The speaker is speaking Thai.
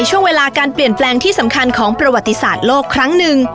ช่วงเวลาการเปลี่ยนแปลงที่สำคัญของประวัติศาสตร์โลกครั้งหนึ่ง